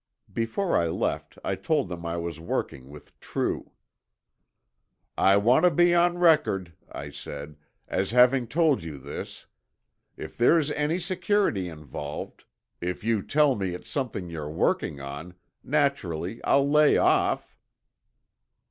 Before I left, I told them I was working with True. "I want to be on record," I said, "as having told you this. If there's any security involved—if you tell me it's something you're working on—naturally I'll lay off."